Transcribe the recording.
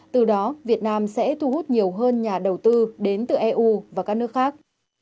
từ đó việt nam sẽ thu hút nhiều hơn nhà đầu tư đến từ eu và các nước khác